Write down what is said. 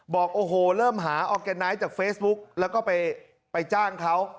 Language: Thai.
บอกโอ้โหเริ่มหาออร์แกไนท์จากเฟซบุ๊กแล้วก็ไปจ้างเขา